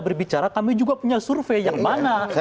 berbicara kami juga punya survei yang mana